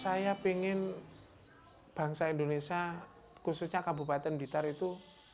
saya ingin bangsa indonesia khususnya kabupaten blitar itu